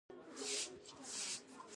آیا بهرنی افغانان پانګونې ته راځي؟